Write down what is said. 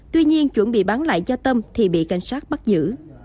tuy nhiên chuẩn bị bán lại cho tâm thì bị cảnh sát bắt giữ